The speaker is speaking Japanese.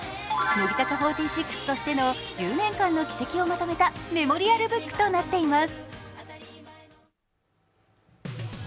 乃木坂４６としての１０年間の軌跡をまとめたメモリアルブックとなっています。